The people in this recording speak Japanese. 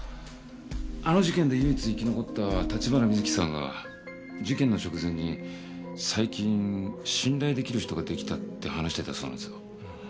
あの事件で唯一生き残った橘水樹さんが事件の直前に「最近信頼できる人ができた」って話してたそうなんですよ。